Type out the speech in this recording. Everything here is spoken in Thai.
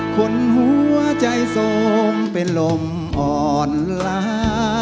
คุณหัวใจทรงเป็นลมอ่อนลา